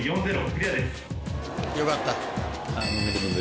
よかった。